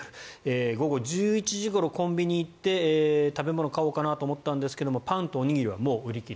午後１１時ごろコンビニに行って食べ物を買おうかなと思ったんですがパンとおにぎりはもう売り切れ。